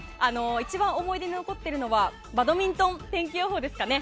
一番思い出に残っているのはバドミントン天気予報ですかね。